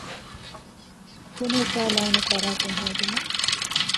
ކުނި އުކާލާނެ ފަރާތެއް ހޯދުމަށް